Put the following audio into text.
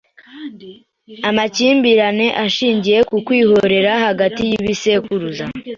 amakimbirane ashingiye ku kwihorera hagati yibisekuruza